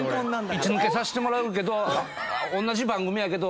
１抜けさせてもらうけど同じ番組やけど。